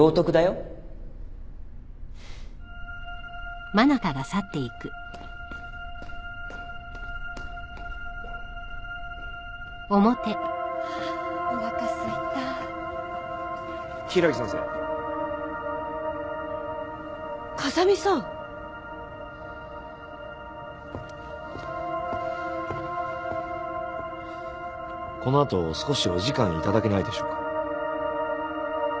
この後少しお時間頂けないでしょうか。